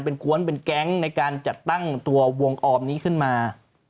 เป็นกวนเป็นแก๊งในการจัดตั้งตัววงออมนี้ขึ้นมา